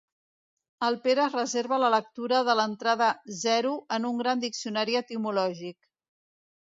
El Pere es reserva la lectura de l'entrada “Zero” en un gran diccionari etimològic.